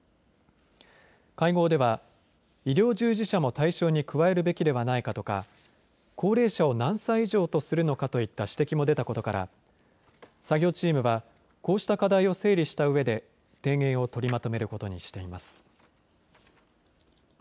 会合では医療従事者も対象に加えるべきではないかとか高齢者を何歳以上とするのかといった指摘も出たことから作業チームはこうした課題を整理したうえで提言を取りまとめることにしています。